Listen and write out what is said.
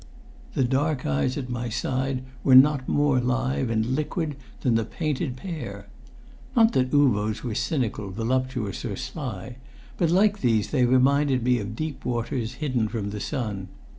The dark eyes at my side were not more live and liquid than the painted pair. Not that Uvo's were cynical, voluptuous, or sly; but like these they reminded me of deep waters hidden from the sun.